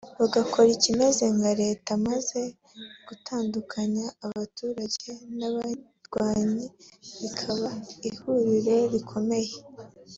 bagakora ikimeze nka Leta maze gutandukanya abaturage n’abarwanyi bikaba ihurizo rikomeye